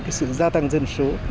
cái sự gia tăng dân số